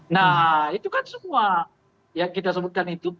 nah itu kan semua yang kita sebutkan itu